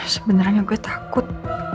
sebenarnya gue takut